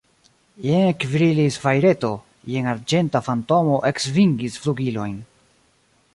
Jen ekbrilis fajreto, jen arĝenta fantomo eksvingis flugilojn.